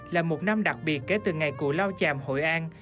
hai nghìn một mươi chín là một năm đặc biệt kể từ ngày cụ lao chàm hội an